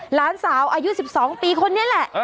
หลานสาวอายุ๑๒ปีคนนี้แหละ